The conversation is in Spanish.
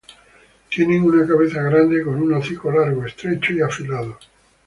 Tienen una cabeza grande con un hocico largo, estrecho y afilado.